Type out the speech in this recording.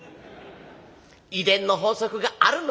遺伝の法則があるの。